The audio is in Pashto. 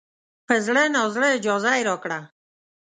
په زړه نازړه اجازه یې راکړه.